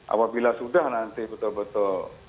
apabila sudah nanti betul betul